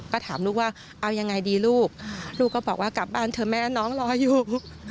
ก็ถามลูกว่าเอายังไงดีลูกลูกก็บอกว่ากลับบ้านเถอะแม่น้องรออยู่